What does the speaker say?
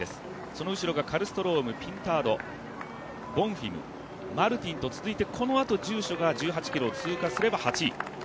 その後ろがカルストロームピンタード、ボンフィム、マルティンと続いてこのあと、住所が通過すれば８位。